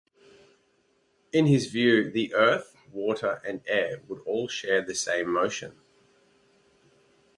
In his view the Earth, Water, and Air would all share the same motion.